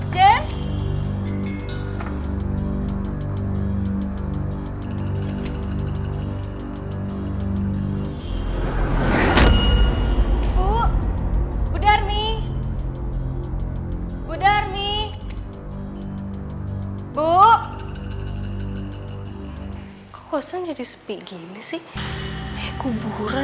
boleh gak lempar